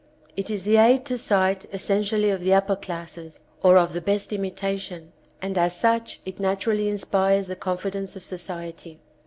It is the aid to sight essen tially of the upper classes, or of the best imitation, and as such it naturally inspires the confidence of society.